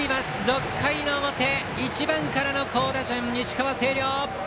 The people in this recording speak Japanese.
６回の表、１番からの好打順石川・星稜！